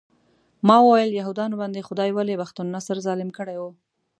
ما وویل یهودانو باندې خدای ولې بخت النصر ظالم کړی و.